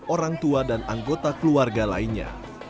orang tua dan anggota keluarga lainnya